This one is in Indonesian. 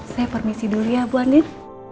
saya permisi dulu ya bu anif